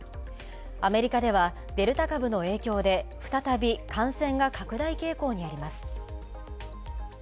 アメリカではデルタ株の影響で再び感染が拡大傾向にあります。